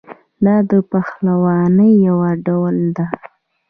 دا د پهلوانۍ یو ډول دی.